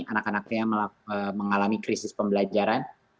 anak anaknya mengalami krisis pembelajaran